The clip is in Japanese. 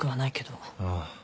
ああ。